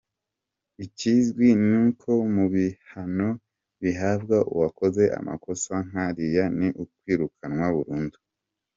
Ikizwi ni uko mu bihano bihabwa uwakoze amakosa nk’ariya ni ukwirukanwa burundu.